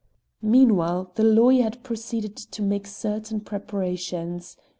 Meantime the lawyer had proceeded to make certain preparations.